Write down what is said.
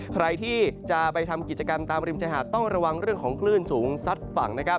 ใครที่จะไปทำกิจกรรมตามริมชายหาดต้องระวังเรื่องของคลื่นสูงซัดฝั่งนะครับ